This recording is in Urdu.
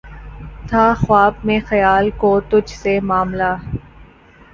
تھا خواب میں خیال کو تجھ سے معاملہ